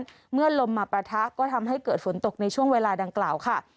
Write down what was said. เมื่อลมมาปะทะก็ทำให้เกิดฝนตกในช่วงเวลาดังกล่าวค่ะ